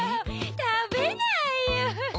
たべないよ。